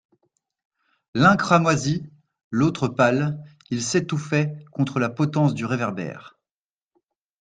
L'un cramoisi, l'autre pâle, il s'étouffaient contre la potence du réverbère.